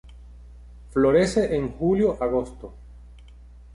Florece en julio-agosto.